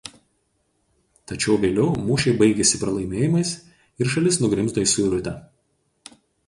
Tačiau vėliau mūšiai baigėsi pralaimėjimais ir šalis nugrimzdo į suirutę.